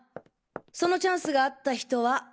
そのチャンスがあった人は。